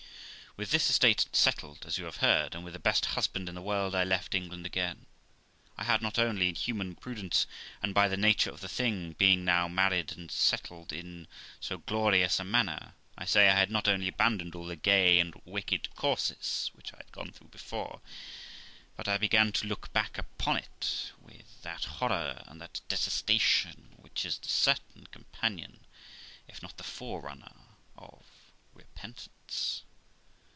With this estate, settled as you have heard, and with the best husband in the world, I left England again; I had not only, in human prudence, and by the nature of the thing, being now married and sertled in so glorious a manner I say, I had not only abandoned all the gay and wicked course which I had gone through before, but I began to look back upon it with that horror and that detestation which is the certain companion, if not the forerunner, of repentance.